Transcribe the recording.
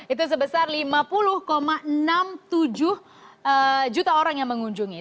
itu sebesar lima puluh enam puluh tujuh juta orang yang mengunjungi